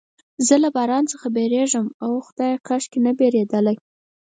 زه له باران څخه بیریږم، اوه خدایه، کاشکې نه بیریدلای.